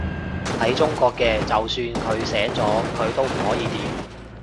喺中國嘅，就算佢醒咗，佢都唔可以點